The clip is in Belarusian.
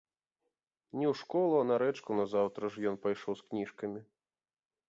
Не ў школу, а на рэчку назаўтра ж ён пайшоў з кніжкамі.